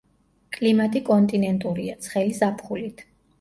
კლიმატი კონტინენტურია ცხელი ზაფხულით.